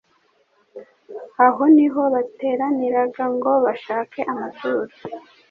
Aho ni ho bateraniraga ngo bashake amaturo.